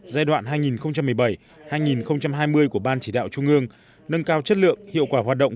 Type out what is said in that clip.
giai đoạn hai nghìn một mươi bảy hai nghìn hai mươi của ban chỉ đạo trung ương nâng cao chất lượng hiệu quả hoạt động